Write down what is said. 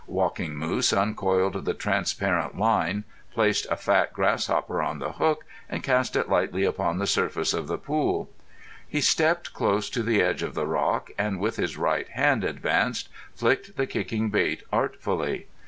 Walking Moose uncoiled the transparent line, placed a fat grasshopper on the hook, and cast it lightly upon the surface of the pool. He stepped close to the edge of the rock and, with his right hand advanced, flicked the kicking bait artfully.